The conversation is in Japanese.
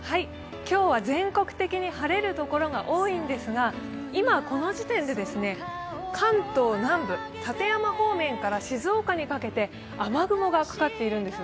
今日は全国的に晴れるところが多いんですが今、この時点で関東南部、館山方面から、静岡にかけて雨雲がかかっているんです。